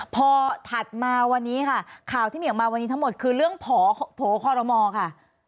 พอถัดมาวันนี้ค่ะข่าวที่มีออกมาวันนี้ทั้งหมดคือเรื่องโผล่คอรมอค่ะ